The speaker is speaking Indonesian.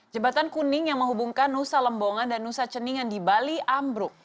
jembatan kuning yang menghubungkan nusa lembongan dan nusa ceningan di bali ambruk